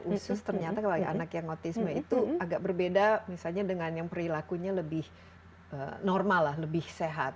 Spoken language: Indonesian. usus ternyata kalau anak yang autisme itu agak berbeda misalnya dengan yang perilakunya lebih normal lah lebih sehat